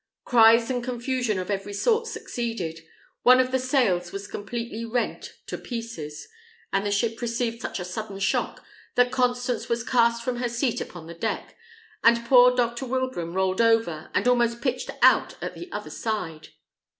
Cries and confusion of every sort succeeded; one of the sails was completely rent to pieces; and the ship received such a sudden shock that Constance was cast from her seat upon the deck, and poor Dr. Wilbraham rolled over, and almost pitched out at the other side.